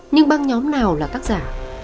nhưng băng nhóm nào là các giả